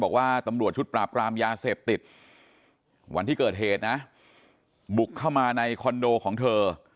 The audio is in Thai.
บอกว่าตำรวจชุดปราบกรามยาเสพติดวันที่เกิดเหตุนะบุกเข้ามาในคอนโดของเธอ